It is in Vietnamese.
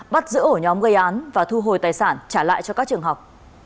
bắt giữ ổ nhóm gây án và thu hồi tài sản trả lại cho các trường học